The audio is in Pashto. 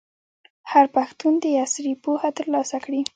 هر پښتون دي عصري پوهه ترلاسه کړي.